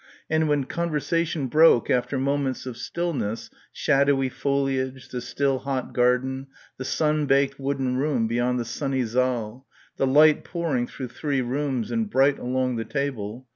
and when conversation broke after moments of stillness ... shadowy foliage ... the still hot garden ... the sunbaked wooden room beyond the sunny saal, the light pouring through three rooms and bright along the table